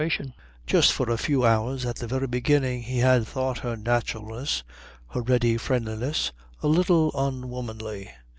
Just for a few hours at the very beginning he had thought her naturalness, her ready friendliness, a little unwomanly.